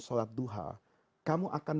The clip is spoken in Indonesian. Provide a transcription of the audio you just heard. sholat duha kamu akan